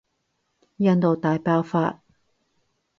印度大爆發